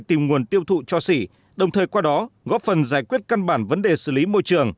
tìm nguồn tiêu thụ cho xỉ đồng thời qua đó góp phần giải quyết căn bản vấn đề xử lý môi trường